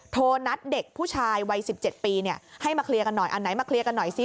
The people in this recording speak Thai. โทรนัดเด็กผู้ชายวัย๑๗ปีให้มาเคลียร์กันหน่อยอันไหนมาเคลียร์กันหน่อยซิ